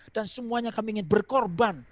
dan semuanya kami ingin berkorban